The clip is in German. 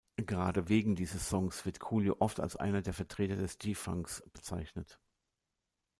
Gerade wegen dieses Songs wird Coolio oft als einer der Vertreter des G-Funks bezeichnet.